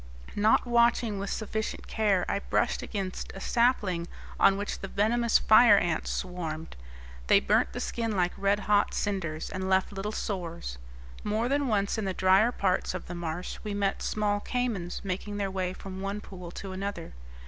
Not watching with sufficient care I brushed against a sapling on which the venomous fire ants swarmed. They burnt the skin like red hot cinders, and left little sores. More than once in the drier parts of the marsh we met small caymans making their way from one pool to another.